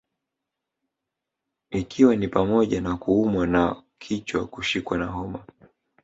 Ikiwa ni pamoja na kuumwa na kichwakushikwa na homa